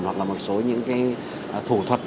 hoặc là một số những thủ thuật